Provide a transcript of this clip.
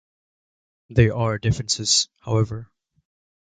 There are differences, however.